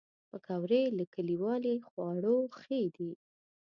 پکورې له کلیوالي خواړو ښې دي